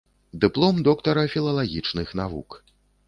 Дыплом доктара філалагічных навук.